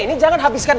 ini jangan habiskan